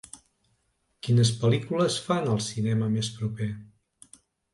Quines pel·lícules fan al cinema més proper?